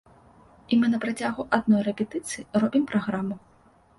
І мы на працягу адной рэпетыцыі робім праграму.